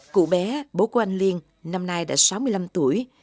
cụ bé bố của anh liên năm nay đã sáu mươi năm tuổi